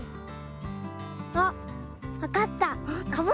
あっわかった！